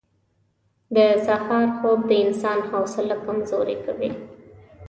• د سهار خوب د انسان حوصله کمزورې کوي.